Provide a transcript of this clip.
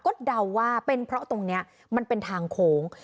ก็เดาว่าเป็นเพราะตรงนี้มันเป็นทางโค้ง